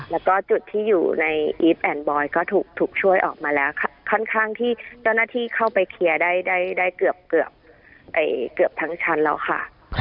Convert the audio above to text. แล้วก็จุดที่อยู่ในอีฟแอนด์บอยก็ถูกช่วยออกมาแล้วค่อนข้างที่เจ้าหน้าที่เข้าไปเคลียร์ได้เกือบทั้งชั้นแล้วค่ะ